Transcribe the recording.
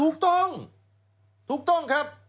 ถูกต้องถูกต้องครับ